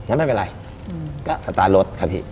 ไม่เป็นไร